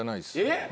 えっ！？